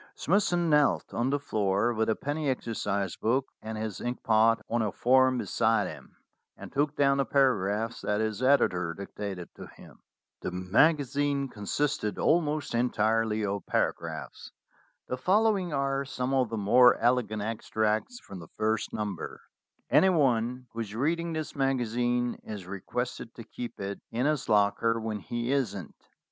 Smithson knelt on the floor with a penny exercise book and his inkpot on a form be side him, and took down the paragraphs that his editor dictated to him. The magazine consisted almost en tirely of paragraphs. The following are some of the more elegant extracts from the first number : "Anyone who is reading this magazine is requested to keep it in his locker when he isn't.